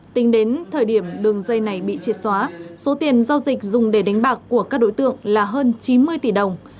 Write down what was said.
tính đến thời điểm đường dây này bị triệt xóa số tiền giao dịch dùng để đánh bạc của các đối tượng là hơn chín mươi tỷ đồng